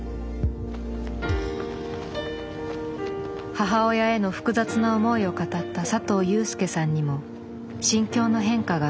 母親への複雑な思いを語った佐藤佑助さんにも心境の変化があった。